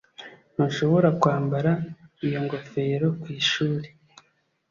Ntushobora kwambara iyo ngofero ku ishuri